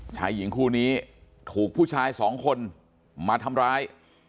ชายหญิงคู่นี้ถูกผู้ชายสองคนมาทำร้าย